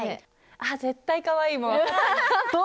あっ絶対かわいいもう。